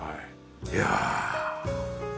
いや。